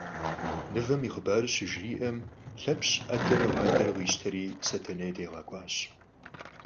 Мывэм и хъыбар щыжриӏэм, Лъэпщ ӏэдэрэ уадэрэ къищтэри Сэтэней деж къэкӏуащ.